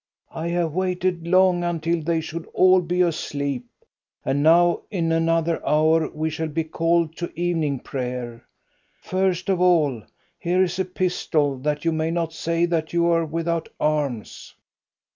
"I have waited long, until they should all be asleep, and now in another hour we shall be called to evening prayer. First of all, here is a pistol, that you may not say that you are without arms."